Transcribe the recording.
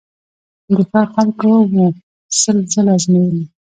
د ښار خلکو وو سل ځله آزمېیلی